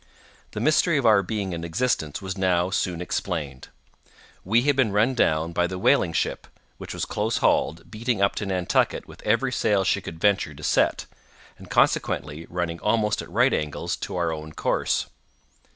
The mystery of our being in existence was now soon explained. We had been run down by the whaling ship, which was close hauled, beating up to Nantucket with every sail she could venture to set, and consequently running almost at right angles to our own course.